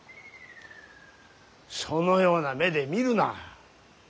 そのような目で見るな。